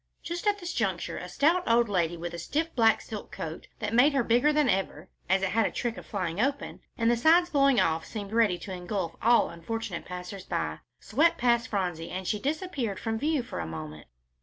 Just at this juncture a stout old lady, with a stiff black silk coat that made her bigger than ever, as it had a trick of flying open, and the sides blowing off seemed ready to engulf all unfortunate passers by, swept past Phronsie, and she disappeared from view for a moment.